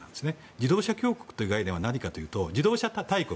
自動車強国という概念というのは自動車大国。